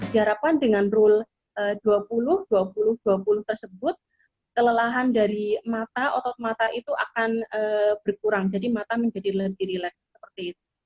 diharapkan dengan rule dua puluh dua puluh dua puluh tersebut kelelahan dari mata otot mata itu akan berkurang jadi mata menjadi lebih relax seperti itu